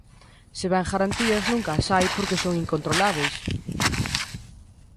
Se ben garantías nunca as hai porque son incontrolábeis.